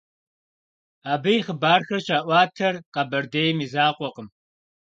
Абы и хъыбархэр щаӀуатэр Къэбэрдейм и закъуэкъым.